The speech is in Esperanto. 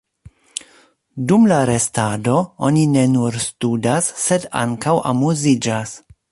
Dum la restado, oni ne nur studas, sed ankaŭ amuziĝas.